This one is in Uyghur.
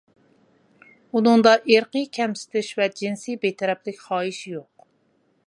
ئۇنىڭدا ئىرقىي كەمسىتىش ۋە جىنسىي بىتەرەپلىك خاھىشى يوق.